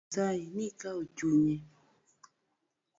Nyasaye ni kawo chunye.